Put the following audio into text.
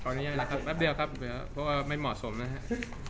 ขออนุญาตนะครับแป๊บเดียวครับเพราะว่าไม่เหมาะสมนะครับ